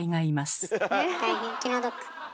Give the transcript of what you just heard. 大変気の毒。